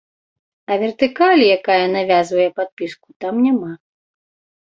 А вертыкалі, якая навязвае падпіску, там няма.